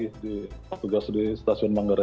di tugas di stasiun manggarai